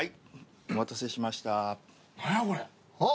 お待たせしました。